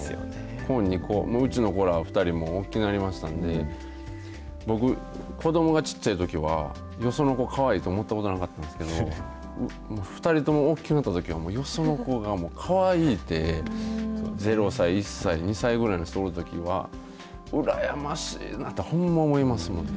ほんに、うちの子ら２人、大きいなりましたんで、僕、子どもがちっちゃいときは、よその子かわいいと思ったこと、なかったんですけども、２人とも大きくなったとき、よその子がもう、かわいいて、０歳、１歳、２歳ぐらいの人おるときは、羨ましいなって、ほんま思いますもんね。